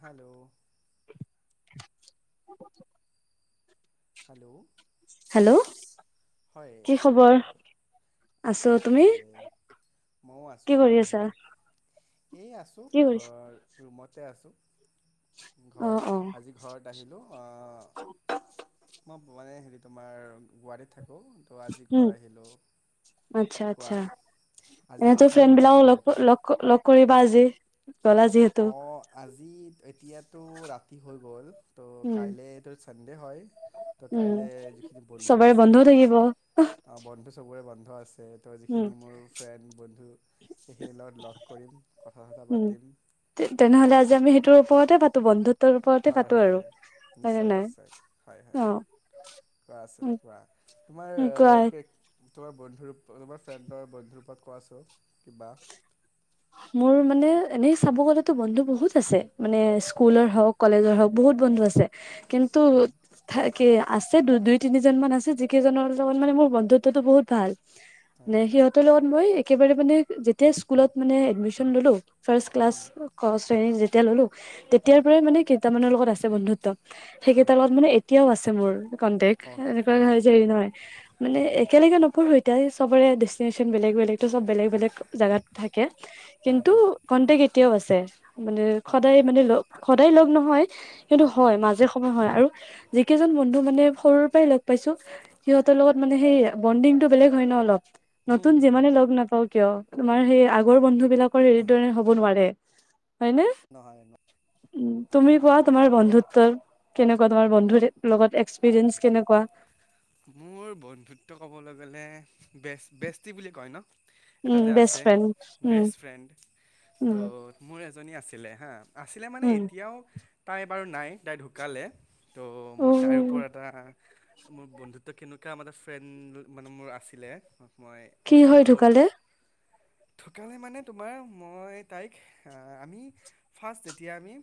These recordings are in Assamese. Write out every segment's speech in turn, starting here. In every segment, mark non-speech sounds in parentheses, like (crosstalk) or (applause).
হেল্ল' (unintelligible) হেল্ল' হেল্ল' হয় কি খবৰ আছো আছো ভালে ময়ো আছো কি কৰি ৰবা আছা? ভালে এই আছো কি কৰিছা? ঘৰ ৰুমত তাতে আছোঁ। অ ঘৰত অ আজি ঘৰত আহিলোঁ। মই মানে হেৰি তোমাৰ গুৱাহাটীত থাকোঁ তো আজি উ ঘৰ আহিলোঁ আচ্ছা কোৱা আচ্ছা আজি আমি এনে কিহৰ ওপৰত কথা পাতোঁ ফ্ৰেণ্ডবিলকক লগ লগ কৰিব। বাজে কলা যিহেতু অঁ আজি এতিয়াতো ৰাতি হৈ গ'ল। ত' উম কাইলে এইটো চানডে হয় ত' উম কাইলে যিখিনি বন্ধু চবৰে আছে বন্ধও থাকিব অ বন্ধু চবোৰে বন্ধু। খচ তই উম যিখিনি মোৰ ফ্ৰেণ্ড বন্ধু সেইখিনিৰ লগত লগ কৰিম কথা চথা উম পাতিম। তেনেহলে আজি আমি সেইটোৰ ওপৰতে পটো বন্ধুত্ব। হয় হয় নিশ্চয় নিশ্চয় হয় হয় অ কোৱা তোমাৰ উম কোৱা তোমাৰ বন্ধু ৰ তোমাৰ ফ্ৰেণ্ডৰ বন্ধুৰ পৰাক কোৱাছোন কিবা মোৰ মানে এনেই চাব গলেতো বন্ধু বহুত আছে। মানে হয় স্কুলৰ হওক কলেজৰ হওক। বহুত বন্ধু আছে। আছে কিন্তু হুম, থাক কি আছে তো দুই তিনিজন মান আছে যিকেইজনৰ লগত মানে মোৰ বন্ধুত্বতটো বহুত ভাল। নে হয় সিহঁতৰ লগত মই একেবাৰে মানে যেতিয়া স্কুলত মানে এডমিশন ললো, ফাৰ্ষ্ট ক্লাছ হুম, ক শ্ৰেণী যে তেল ললো তেতিয়াৰ‌ পৰাই মানে কেইটামানৰ লগত আছে বন্ধুত্ব। হয় সেইকেইটাৰ লগত মানে এ এতিয়াও আছে মোৰ। কটেক্ এনেকুৱা অ'কে নহয় যে হেৰি নহয়। মানে একেলগে নপঢ়ো এতিয়া চবৰে ডেষ্টিনেচন বেলেগ-বেলেগ। এইটো চব বেলেগ-বেলেগ জাগাত থাকে কিন্তু কণ্টেক এতিয়াও আছে। ছে। মানে সদায় মানে লগ সদায় লগ নহয়। হয়। সেইটো হয় মাজে সময় হয় আৰু। যিকেইজন বন্ধু মানে সৰুৰ পৰাই লগ পাইছো সিহঁতৰ লগত মানে সেই বণ্ডিংতটো বেলেগ হয় ন অলপ। হুম নতুন হুম যিমানে হুম লগ নাপাও কিয়? তোমাৰ সেইয়া আগৰ বন্ধু বিলাকৰ এইদৰে হ'ব নোৱাৰে। নহয় ন। উ তুমি কোৱা তোমাৰ বন্ধুত্বৰ কেনেকুৱা? তোমাৰ বন্ধু লগত এক্সপিৰিয়েঞ্চ কেনেকুৱা? মোৰ বন্ধুত্ব ক'বলৈ গলে বে বেষ্টি বুলি কয় ন। এটা উম যে বেষ্ট আছে, ফ্ৰেণ্ড উম বেষ্ট ফ্ৰেণ্ড ত উম মোৰ এজনী আছিলে হা। আছিলে মানে উম এতিয়াও তাই বাৰু নাই তাই ঢুকালে। তো উ মই তাইৰ ওপৰত এটা মো বন্ধুত্ব কেনেকুৱা ম ফ্ৰেণ্ড মানে মোৰ আছিলে। মই কি হয় এক্সপ্লেইন কৰ ঢুকালে ঢুকালে মান তোমাৰ মই তাইক আমি ফাষ্ট যেতিয়া তেতিয়া আমি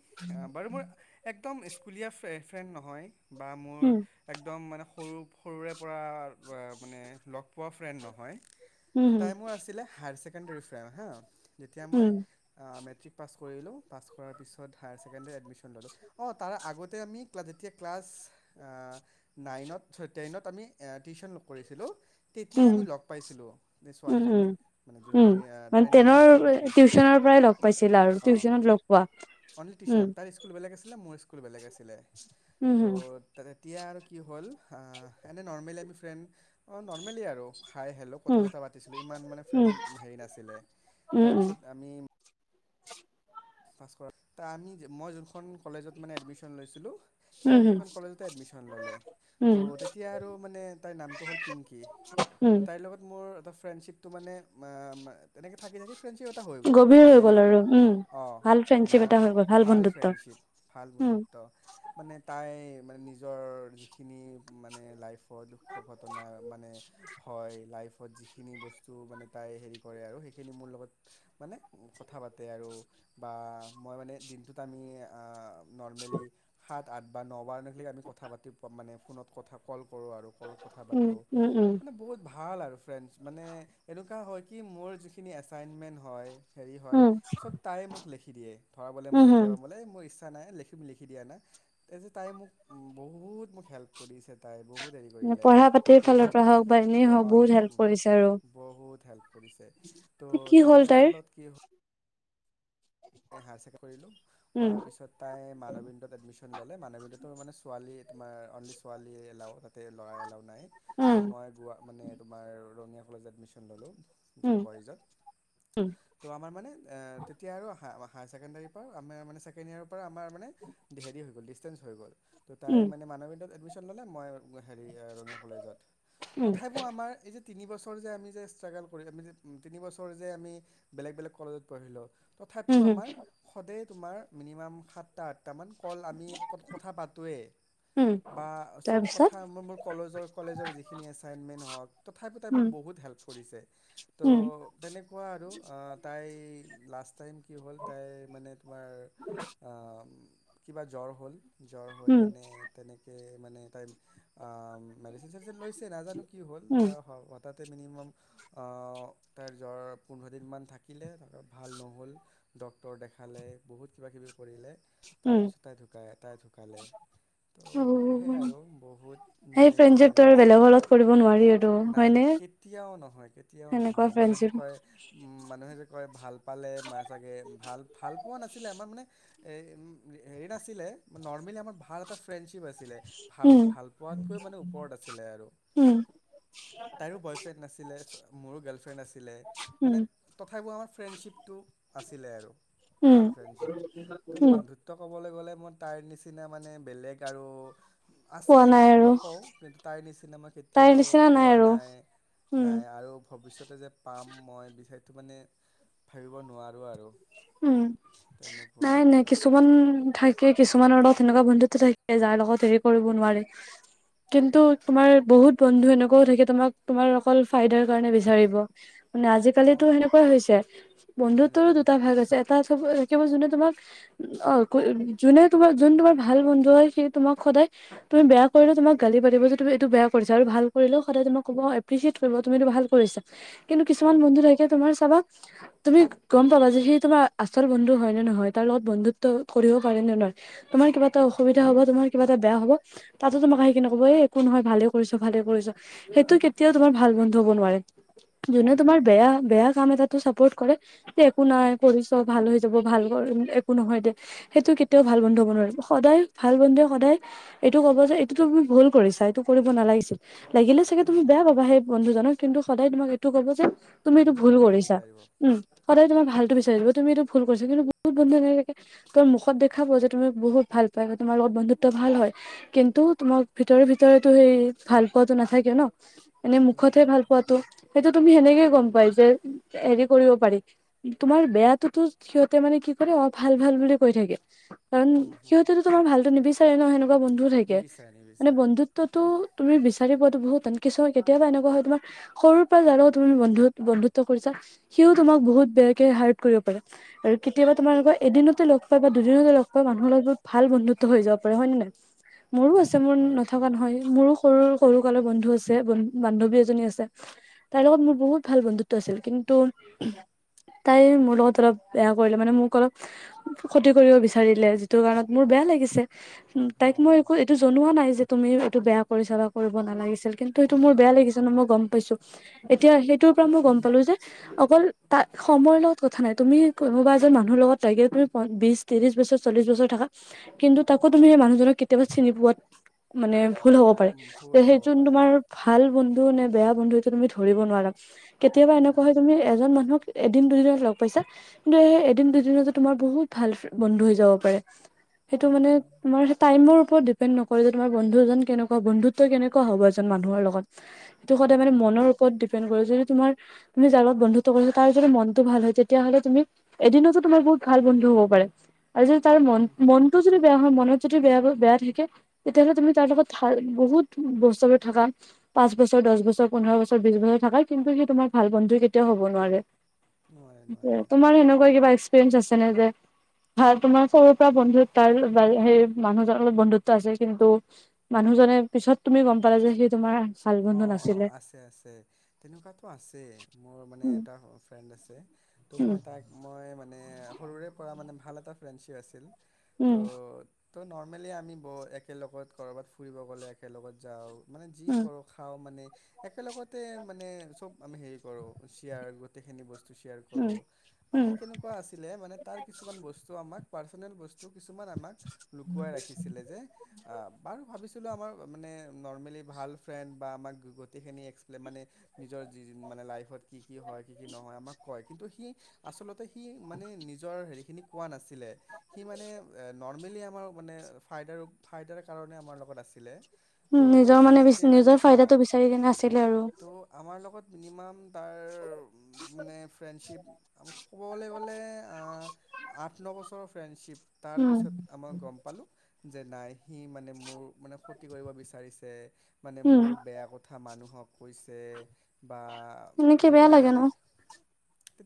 বাৰু মোৰ প্ৰথম স্কুলীয়া ফে ফ্ৰেণ্ড নহয়। বা মোৰ উম একদম মানে সৰু - সৰুৰে ৱ - মানে লগ পোৱা ফ্ৰেণ্ড নহয়। উম উম তাই মোৰ আছিলে হাইৰ চে চেকেণ্ডাৰি ফ্ৰেণ্ড হা। যেতিয়া মই উম অ - মেট মেট্ৰিক পাছ কৰিলোঁ পাছ কৰাৰ পিছত হায়াৰ ছেকেণ্ডেৰীত এডমিশ্যন ল'লোঁ অঁ তাৰ আগতে আমি ক্ল - যেতিয়া ক্লাছ নাইনত চ টেইনত আমি এ টিউশ্যন কৰিছিলোঁ। তেতিয়া উম আমি লগ পাইছিলো সেই উম ছোৱালীজনী, উম উম যোনজনী অ - মানে তাইৰ নাম টেনৰ হ'ল পিংকী। টিউচনৰ পৰাই লগ পাইছিলা আৰু অ'। টিউচনত লগ পোৱা অনলি উম টিউচনত, তাৰ স্কুল বেলেগ আছ আছিলে মোৰ স্কুল বেলেগ আছিলে। উম হম অ' তাৰে এতিয়া আৰু কি হ'ল আহ এনেই নৰ্মেলি আমি ফ্ৰেণ্ড অঁ নৰ্মেলি আৰু হাই হেল্লো কথা চথা উম পাতিছিলো ইমান মানে ফ্ৰেণ্ড হেৰি নাছিলে, উম উম তাৰ উম পিছত আমি পাছ কৰ, ত' আমি মই যোনখন কলেজত মানে এডমিচন লৈছিলোঁ উম তাইও হম সেইখন কলেজতে এডমিচন ল'লে, উম ত' তেতিয়া আৰু মানে তাইৰ নামটো হ'ল পিংকি। উম তাইৰ লগত মোৰ (unintelligible) ফ্ৰেণ্ডশ্বিপটো ম - ম - এনেকে থাকি থাকি ফ্ৰেণ্ডশ্বিপ এটা হৈ গ'ল গভীৰ হৈ নৰ্মেলি গ'ল আৰু, উম। (unintelligible) ভাল ফ্ৰেণ্ডশ্বিপ এটা হৈ গ'ল ভাল বন্ধুত্ব ফ্ৰেণ্ডশ্বিপ, ভাল উম বন্ধুত্ব মানে (unintelligible) তাই মানে নিজৰ যিখিনি মানে লাইফ বৰ দুখঃ ঘটনা মানে, হয় লাইফ। যিখিনি বস্তু মানে তাই হেৰি কৰে আৰু সেইখিনি মোৰ লগত মানে কথা পাতে আৰু। বা মই মানে দিনটোত আমি আহ নৰ্মেলি সাত আঠ বা ন বাৰ (unintelligible) আমি কথা পাতি মানে ফোনত কথা কল কৰো আৰু কলত কথা উম পাতো, উম উম মানে বহুত ভা ভাল আৰু ফ্ৰেণ্ডছ মানে এনেকুৱা হয় কি মোৰ যিখিনি এছাইনমেণ্ হয় হেৰি হয় উম চব (unintelligible) মোক লেখি দিয়ে ধৰা বলে মই উম হম কেতিয়াবা বলে ইচ্ছা নাই লেখ - লিখি দিয়ানা‌‌, তাৰপিছত তাই মোক বহুত মোক হেল্প কৰিছে তাই বহুত হেৰি (unintelligible) কৰিলে পঢ়া পাতিৰ ত' ফালৰ পৰা হওক বা এনেই হওক অঁ বহুত হেল্প কৰিছে আৰু। বহুত হেল্প কৰিছে, ত' কি হ'ল তাইৰ তেনেস্থলত কি হ এ (unintelligible) কৰিলো উম কৰাৰ পিছত তাই মানবিন্দত এডমিচন ললে, মানবিন্দতো মানে ছোৱালী তোমাৰ অনলি ছোৱালী এলাও, তাতে ল'ৰাই এলাও ত উম মই গ মানে তোমাৰ কলেজ এডমিশন ললোঁ তাতে উম বয়স যাক উম তো আমাৰ মানে এ তেতিয়া আৰু হায় কেণ্ডাৰৰ পৰা আ মেকেণ্ড ইয়াৰৰ পৰা আমাৰ মানে হেৰি হৈ গ'ল। চেঞ্ হৈ গ'ল ত' তাই উম মান মানি ল'লে মই হেৰি ৰঙিয়া কলেজত উম তথিপি আমাৰ এই যে তিন বছৰ যে আমি যে ষ্ট্ৰাগল কৰি আমি তিন বছৰ যে আমি বেলেগ বেলেগ কলেজত পঢ়িলো তথাপিও উম হম আমাৰ সদায় তোমাৰ মিনিমাম সাত আাত আটামান কল আমি কথা পাতোোৱেই উম বা চব তাৰপিছত কথা মোৰ মোৰ কলেজৰ কলেজৰ যিখিনি এছাইনমেণ্ট হওক তথাপ পোতোই মোক উম বহুত হেল্প কৰিছে। উম ত' তেনেকুৱা আৰু আহ তাই লাষ্ট ম কি হ'ল তাইৰ মানে তোমাৰ কিবা জ্বৰ হ'ল। জ্বৰ হৈ উম কেনে তেনেকে ম ম নাজানো কি হ'ল তাৰ তাতে মিনিমাম তাইৰ জ্বৰ পোন্ধৰ দিনমান থাকিলে তাৰ ভাল নহ'ল ড্ক্তৰ দেখালে বহুত কিব কিবি কৰিলে তাৰ উম পিছ তাই ঢুকাইটাই ঢুকালে ত সেই উম আৰু বহুত সেই মানে ফ্ৰেণ্ডশ্বিপটো আৰু মিছ বেলেগৰ লগত কৰিব নোৱাৰি আৰু নাই হয়নে? নাই কেতিয়াও নহয় কেতিয়াও সেনেকুৱা নহয় মানুহ যে ফ্ৰেণ্ডশ্বিপ কয় উ মানুহে যে কয় ভাল পালে ভাল না মানে না ন আমাৰ ভাল এ ফ্ৰ ফ্ৰেণ্ডশ্বিপ আছিলে। ভাল উম, ভাল পোৱাতকৈ ওপৰত আছিলে আৰু উম, তাইৰ ও বয়ফ্ৰণ্ড নাছিলে মোৰো গাৰ্লফ্ৰেণ্ড আছিলে মানে উম, তথাপিও আমাৰ ফ্ৰেণ্ডশিপটো আছিলে আৰু উম, ভাল ফ্ৰেণ্ডশিপ ত উম। বন্ধুত্ব ক'বলৈ গ'লে মই তাৰ নিচিনা মানে বেলেগ আৰু আছে পোৱা নাই আৰু নকওঁ কিন্তু তাৰ নিচিনা মই তাইৰ কেতিয়াও নিচিনা পোৱা আৰু নাই উম, নাই আৰু ভৱিষ্যতে যে পাম মই বিচাৰো মানে ভাবিব নোৱাৰো। আৰু আৰু- উম নাই নাই কিছুমান ঠাই কি কিছুমানৰ লগত এনেকুৱা বন্ধুত্ব থাকে, যাৰ লগত হেৰি কৰিব নোৱাৰে। কিন্তু তোমাৰ বহুত বন্ধু এনেকুৱাও থাকে তোমাক তোমাৰ অকল ফাইদাৰ কাৰণে বিচাৰিব। মানে অঁ অঁ আজিকালিটো সেনেকুৱাই হৈছে। সেনেকুৱা বন্ধুত্বৰো দুটা হৈছে ভাগ আছে। থাকিব যোনে তোমাক, অ যোনে তোমাৰ যোন তোমাৰ ভাল বন্ধু হয় সেই তোমাক সদায় তুমি বেয়া কৰিলে তোমাক গালি পাতিব যে তুমি এইটো বেয়া কৰিছা। আৰু ভাল কৰিলেও সদায় তোমাক কব এপ্ৰিচিয়েট কৰিব তুমি এইটো ভাল কৰিছা। কিন্তু কিছুমান উম বন্ধু থাকে তোমাৰ চাবা তুমি গম পালা যে সেই তোমাৰ আচল বন্ধু হয় নে নহয়, তাৰ লগত বন্ধুত্ব কৰিব পাৰে নে নোৱাৰে, তোমাৰ কিবা এটা অসুবিধা হব তোমাৰ কিবা এটা বেয়া হব তাতো তোমাক সেই কিনি কব এই একো নহয় ভালে কৰিছ ভালে কৰিছ সেইটো কেতিয়াও তোমাৰ ভাল বন্ধু হব নোৱাৰে। হুম যোনে হুম তোমাৰ বেয়া বেয়া কাম এটা টো চাপৰ্ট কৰে, যে একো নাই কৰিছ ভাল হৈ যাব ভাল একো নহয় দে সেইটো কেতিয়াও ভাল বন্ধু হব নোৱাৰিব। সদায় ভাল বন্ধুৱে সদায় এইটো কব যে এইটোতো তুমি ভুল কৰিছা এইটো কৰিব নালাগিছিল। লাগিলে চাগে তুমি বেয়া হুম পাবা সেই বন্ধুজনক কিন্তু সদায় তোমাক এইটো কব যে তুমি হুম এইটো ভুল ভালটো কৰিছা। বিচাৰিব উম সদায় তোমাৰ ভালটো তুমি এইটো ভুল কৰিছা কিন্তু বহুত বন্ধু এ থাকে তোৰ মুখত দেখাব যে, তুমি বহুত ভাল পায় তোমাৰ লগত বন্ধুত্ব ভাল হয়। কিন্তু তোমাক ভিতৰে ভিতৰেতো সেই ভাল পোৱাাতটো নাথাকে ন। মানে মুখতহে ভাল নাথাকে পোৱাতো সেইটো তুমি সেনেকে গম পাই যে হেৰি কৰিব পাৰি, তোমাৰ বেয়াাতটোতো সিহঁতে মানে কি কৰে অ ভাল ভাল বুলি কৈ থাকে। কাৰণ হুম হুম সিহঁতেতো তোমাৰ ভালটো নিবিচা তে নহ (unintelligible) বন্ধু থাকে, নিবিচাৰে মানে নিবিচাৰে বন্ধুত্বতটো ত' তুমি বিচাৰি পোৱাটো বহুত তান কিছুমান, কেতিয়াবা এনেকোৱা হয় তোমাৰ সৰুৰ পৰা যাৰ লগত তুমি বন্ধু-বন্ধুত্ব কৰিছা, সিও তোমাক বহুত বে কে হাৰ্ড কৰিব পাৰে। আৰু কেতিয়াবা তোমালোকৰ এদিনতে লগ পাই বা দুদিনতে লগ পাই মানুহৰ লগত বহুত ভাল বন্ধুত্ব হৈ যাব পাৰে হয় নে নাই? মোৰো আছে মোৰ হয় নথকা হয় নহয় মোৰো সৰু সৰু কালৰ বন্ধু আছে, বন-বান্ধৱী এজনী আছে তাই লগত মোৰ বহুত ভাল বন্ধুত্ব আছিল কিন্তু তাই মোৰ লগত অলপ বেয়া কৰিলে, মানে মোক অলপ ক্ষতি কৰিব বিচাৰিলে, যিটো কাৰণত মোৰ বেয়া লাগিছে। উ অ তাইক মই একো এইটো জনোৱা নাই যে তুমি এইটো বেয়া কৰিছা বা কৰিব নালাগিছিল। কিন্তু হেটো মোৰ বেয়া লাগিছে ন মই গম পাইছো। এতিয়া সেইত তো পৰা মই গম পালো যে অকল তাত সময়ৰ লগত কথা নাই। তুমি কোনোবা এজন মানুহৰ লগত লাগে তুমি বিশ, ত্ৰিশ বছৰ, চল্লিশ বছৰ থাকা, কিন্তু তাকো তুমি সেই মানুহজনক কেতিয়াবা চিনি পোৱাত মানে ভুল হ'ব পাৰে, ত ভুল হ'ব সেইটো পাৰে। তোমাৰ ভাল বন টো নে বেয়া বন্ধু এইটো তুমি ধৰিব নোৱাৰা। কেতিয়াবা উম, এনেকুৱা হয় তুমি এজন মানুহক এদিন দুদিনত লগ পাইছা কিন্তু সেই এদিন দুদিনতে তোমাৰ বহুত ভাল ফে-বন্ধু হৈ যাব পাৰে। সেটো হম, মানে তোমাৰ হে টাইমৰ ওপৰত ডি পেন নকয় যে, তোমাৰ বন্ধু জন কেনেকুৱা? বন্ধুত্ব কেনেকুৱা হ'ব এজন মানুহৰ লগত? এটো সদায় হম, মানে হম, মনৰ ওপৰত ডিপেণ্ড কৰে যে তোমাৰ। তুমি যাৰ লগত বন্ধুত্ব কৰি তাৰ যদি মনতো ভাল হয়, তেতিয়াহ'লে তুমি এদিনতো তোমাৰ বহুত ভাল বন্ধু হ'ব পাৰে। আৰু যদি তাৰ মন, হম, হম, মনতো যদি বেয়া হয়, মনত যদি দি বেয়া ক, বেয়া থাকে তেতিয়াহ'লে তুমি তাৰ লগত থাৰ-বহুত বছৰে থাকা, পাঁচ বছৰ, দহ বছৰ, পোন্ধৰ বছৰ, বিছ বছৰ থাকা কিন্তু সি তোমাৰ ভাল বন্ধু কেতিয়াও হ'ব নোৱাৰে। নোৱাৰে নোৱাৰে। তোমাৰ সেনেকুৱা কিবা এচ। ফেঞ্চ আছে নে যে ভাল তোমাৰ সৰুৰ পৰা বন্ধুত তাৰ হেই মানুহজন লগত বন্ধুত্ব আছে। কিন্তু মানুহজনে পিছত তুমি গম পালা যে সি তোমাৰ। ভাল বন্ধু অ', অ' নাছিলে। আছে, আছে তেনেকুৱাতো আছে, মোৰ মানে উম, এটা। ফেণ্ড আছে, ত' উম। মই তাক মই। মানে সৰুৰে পৰা মানে ভাল এটা ফ্ৰেণ্ডশ্বিপ আছিল। ত' উম। ত' নৰ্মেলি আমি ব-একেলগত কৰবাত ফুৰিব গ'লে একেলগত যাওঁ। মানে উম, কৰোঁ খাওঁ মানে। একেলগতে মানে চব আমি হেৰি কৰো চেয়াৰ গোতেই খিনি বচ। চেয়াৰ উম, কৰোঁ বা উম, সি কেনেকুৱা আছিলে মানে তাৰ কিছুমান বস্তু আমাক। পাৰ্চনেল বস্তু কিছুমান আমাক লুকুৱাই ৰাখিছিলে যে আ-আৰু ভাবিছ। ধই লোৱা আমাৰ মানে নৰ্মেলি ভাল ফ্ৰেণ্ড বা আমাক গো-গোটেইখিনি এক্সপ্লে মানে নিজৰ যি মানে লাইফত। কি কি হয় কি কি নহয় আমাক কয়। কিন্তু সি আচলতে। সি মানে নিজৰ হেৰি। খিনি কোৱা নাছিলে। সি মানে। নৰ্মেলি আমাৰ মানে ফাইদাৰ ফাইডাৰ কাৰণে আমাৰ লগত আছিলে। উম নিজৰ ত' মানে তেনেকৈ বেছি। নিজৰ অঁ ফাইদাটো বিচাৰি কিনে আছিলে আৰু। ত' আমাৰ লগত মিনিমাম তাৰ। মানে ফ্ৰেণ্ডশিপ। ক'বলৈ গ'লে আঠ ন বছৰৰ ফ্ৰেণ্ডশ্বিপ। তাৰ উম, পিছত আমাৰ গম পালো। যে নাই সি মানে মোৰ মানে ক্ষতি কৰিব বিচাৰিছে। মানে উম, মোৰ বেয়া কথা মানুহক। কৈছে বা এনেকে বেয়া যদিও লাগে ন মানে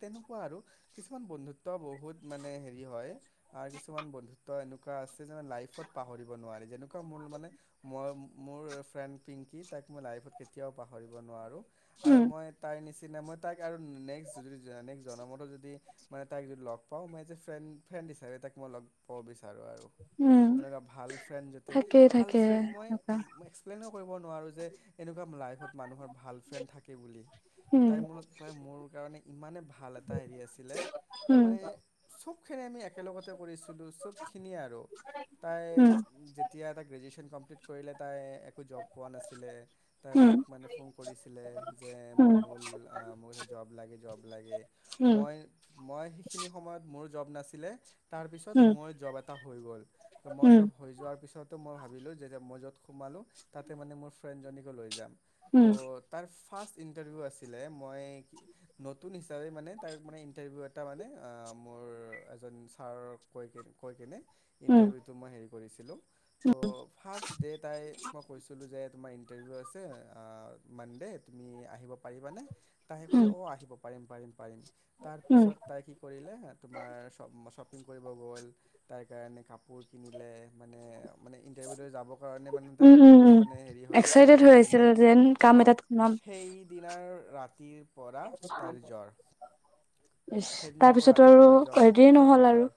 তেনেকুৱা আৰু, কিছুমান বন্ধুত্ব বহুত মানে হেৰি হয় আৰু কিছুমান বন্ধুত্ব ত এনেকুৱা আছে যে লাইফত পাহৰিব নোৱাৰি যেনেকুৱা মোৰ মানে, মই, মোৰ ফ্ৰেণ্ড পিংকি তাক মই লাইফত কেতিয়াও পাহৰিব নোৱাৰোঁ। আৰু উম, মই তাই নিচ সিদিনা মই তাক, আৰু নেক্সট যদি, নেক্সট জনমতো যদি মানে তাইক যদি লগ পাওঁ মই এজ এ ফ্ৰেণ্ড ফ্ৰেণ্ড হিচাপে তাক মই লগ পাব বিচাৰোঁ। আৰু উম, এনেকুৱা ভাল ফ্ৰেণ্, থাকেই ভাল থাকে ফ্ৰেণ্, মই এনেকুৱা (unintelligible) কৰিব নোৱাৰো যে এনেকুৱা লাইফত মানুহৰ ভাল ফ্ৰেণ্ড থাকে বুলি। উম, তাইৰ মোৰ লগত, তাই মোৰ কাৰণে ইমানেই ভাল এটা হেৰি আছিলে উম, মানে চবখিনি আমি একেলগতে কৰিছিলোঁ চবখিনিয়ে আৰু। তাই উম, যেতিয়া এটা গ্ৰেজুৱেশচন কম (unintelligible) পোৱা নাছিলে, তাই উম, মোক মানে ফোন কৰিছিলে যে মইনুল মোক জব লাগে, জব লাগে। উম, মই মই সেইখিনি সময়ত মোৰ জব নাছিলে তাৰপিছত উম, মই জব এটা তা হৈ গ'ল। ত মই উম, উম, জব হৈ যোৱাৰ পিছতো মই ভ ভাবিলো যেতিয়া মই জত সোমালো তাতে মানে মোৰ ফ্ৰেণ্ডজনীকো লৈ যাম। উম, ত' তাৰ ফাৰ্ষ্ট ইণ্টাৰভিউ আছিলে, মই নতুন ষ্টো তাৰে মানে তাৰ মানে ইণ্টাৰভিউত তাৰ মানে, মোৰ এজন ছাৰক কৈ কি কৈ কিনে উম, ইণ্টাৰভিউতো মই হেৰি কৰিছিলো। ত' ফাৰ্ষ্ট ডে তাই মই কৈছিলো যে তোমাৰ ইন টাৰ্ভিউ আছে মন্দে তুমি আহিব পাৰিবানে? তাই উম, কলে, অঁ আহিব পাৰিম। পাৰিম পাৰিম। তাৰ উম, পিছত তাই কি কৰিলে, তোমাৰ চব চব কৰিব গল। তাইৰ কাৰণে কাপোৰ কিনিলে। মানে ইণ্টাৰভিউ দিব যাবৰ কাৰণে তাই উম, উম, বহুত উম, মানে হেৰি হয়, এক্সাইটেড হৈ কেনে, আছিল যেন কাম অঁ, এটাত সোমাম। সেই দিনাৰ ৰাতি পৰা তাইৰ জ্বৰ ইচ তাৰ সেইদিনাৰ পৰা পিছতো ৰাতিৰ আৰু পৰা জ্বৰ হেৰি জ্বৰ নহ'ল আৰু জ্বৰ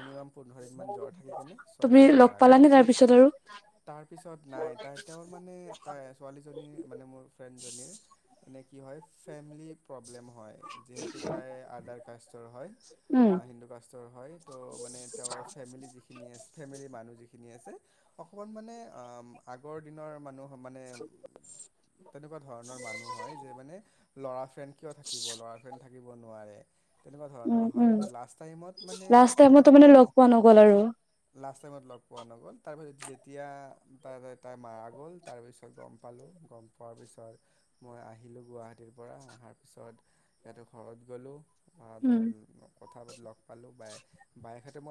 মিনিমাম পোন্ধৰ দিনমান জ্বৰ থাকি কেনে তুমি ছোৱালীজনী লগ মাৰা গ'ল পালানে তাৰপিছত আৰু? (unintelligible) তাৰপিছত নাই তাই তেওঁৰ মানে তাই ছোৱালীজনী মানে মোৰ ফ্ৰেণ্ডজনীৰ (unintelligible) এনে কি হয় ফেমিলি প্ৰব্লেম হয় যিহেতু তাই আধা (unintelligible) স্বাস্থ্যৰ হয় উম, (unintelligible) হিন্দু কাষ্টৰ হয় ত মানে তেওঁৰ ফেমিলি যিখিনি ফেমিলি মানুহ যিখিন (unintelligible) খিনি আছে অকমান মানে অ আগৰ দিনৰ মানুহ মানে তেনেকুৱা ধৰণৰ মানুহ হয় যে মানে লৰা ফ্ৰেণ্ড কিয় থাকিব ল'ৰা ফ্ৰেণ্ড থাকিব নোৱাৰে তেনেকুৱা উম, ধৰণৰ উম, হয় লাষ্ট টাইমত লাষ্ট মানেনে টাইমতো মানে লগ পোৱা নগ'ল আৰু লাষ্ট টাইমত লগ পোৱা নগ'ল তাৰপিছত যেতিয়া তা তাই মাৰা গ'ল তাৰপিছত গম পালোঁ গম পোৱাৰ পিছত মই আহিলোঁ গুৱাহাটীৰ পৰা তাৰ পিছত সিহঁত ঘৰত গ'লোঁ (unintelligible) ভ উম। কথা পাতি লগ পালো বাই (unintelligible) বায় খাতে মই (unintelligible)